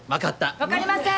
分かりません！